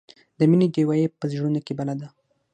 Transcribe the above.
د مینې ډیوه یې په زړونو کې بله ده.